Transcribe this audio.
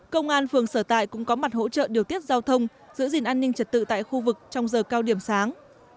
công an phường sở tại cũng có mặt hỗ trợ điều tiết giao thông giữ gìn an ninh trật tự tại khu vực trong giờ cao điểm sáng